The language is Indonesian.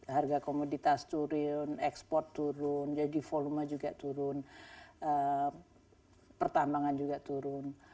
harga komoditas turun ekspor turun jadi volume juga turun pertambangan juga turun